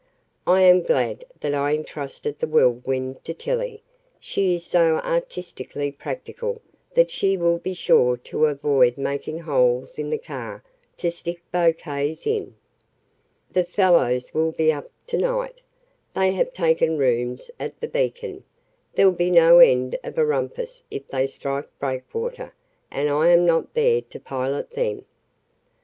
I am glad that I entrusted the Whirlwind to Tillie she is so artistically practical that she will be sure to avoid making holes in the car to stick bouquets in." "The fellows will be up to night. They have taken rooms at the Beacon. There'll be no end of a rumpus if they strike Breakwater, and I am not there to pilot them."